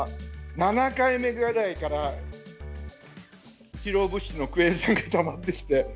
７回目ぐらいから疲労物質のクエン酸がたまってきて。